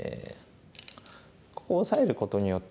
ここをオサえることによってですね